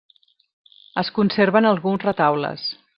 Es conserven alguns retaules.